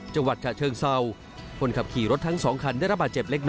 จังหวัดขถเจิงเศี่ยว